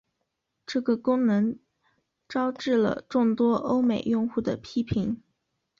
这个功能招致了众多欧美用户的批评。